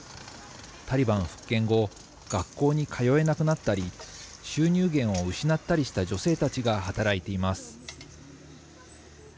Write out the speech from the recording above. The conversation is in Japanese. タリバン復権後、学校に通えなくなったり、収入源を失ったりした女性たちが働いています。